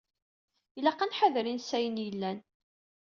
Ilaq ad nḥader insayen yelhan.